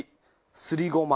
すりごま。